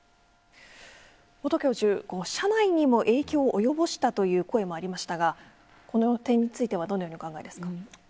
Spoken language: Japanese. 音教授、社内にも影響を及ぼしたという声もありましたがこの点についてはどのようにお考えですか。